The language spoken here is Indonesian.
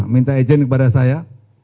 minta ejen kepada saya